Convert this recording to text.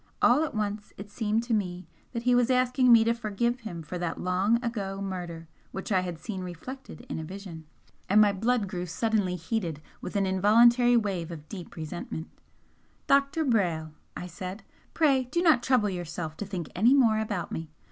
All at once it seemed to me that he was asking me to forgive him for that long ago murder which I had seen reflected in a vision! and my blood grew suddenly heated with an involuntary wave of deep resentment. "Dr. Brayle," I said, "pray do not trouble yourself to think any more about me.